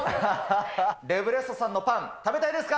レブレッソさんのパン、食べたいですか？